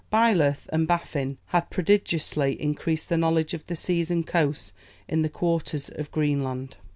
Byleth and Baffin had prodigiously increased the knowledge of the seas and coasts in the quarters of Greenland.